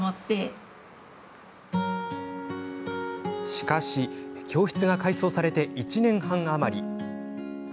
しかし、教室が改装されて１年半余り。